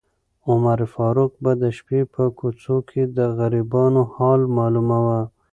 عمر فاروق به د شپې په کوڅو کې د غریبانو حال معلوماوه.